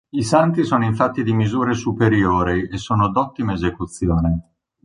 I santi sono infatti di misure superiori e sono d'ottima esecuzione.